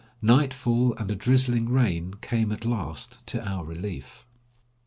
Nightfall and a drizzling rain came at last to our relief.